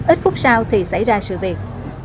ít phút sau thì xảy ra sự việc